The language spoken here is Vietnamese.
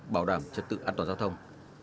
bảo đảm trật tự an toàn giao thông